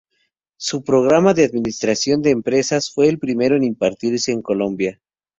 Su programa de Administración de Empresas fue el primero en impartirse en Colombia.